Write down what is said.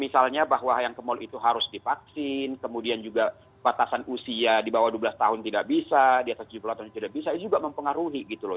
misalnya bahwa yang ke mall itu harus divaksin kemudian juga batasan usia di bawah dua belas tahun tidak bisa di atas tujuh puluh tahun tidak bisa juga mempengaruhi gitu loh